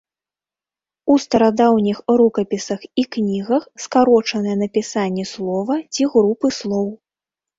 У старадаўніх рукапісах і кнігах скарочанае напісанне слова ці групы слоў.